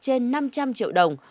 trên năm trăm linh triệu đồng